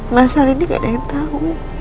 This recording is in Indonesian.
masal ini gak ada yang tahu